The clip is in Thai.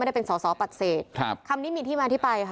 ได้เป็นสอสอปฏิเสธครับคำนี้มีที่มาที่ไปค่ะ